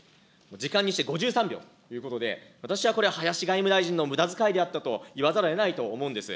時間にして５３秒ということで、私はこれ、林外務大臣のむだづかいであったと言わざるをえないと思うんです。